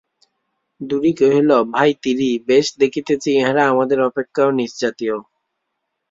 দুরি কহিল, ভাই তিরি, বেশ দেখিতেছি, ইহারা আমাদের অপেক্ষাও নীচজাতীয়।